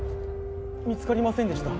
・見つかりませんでした・